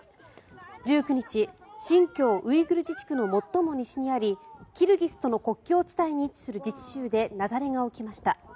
１９日、新疆ウイグル自治区の最も西にありキルギスとの国境地帯に位置する自治州で、雪崩が起きました。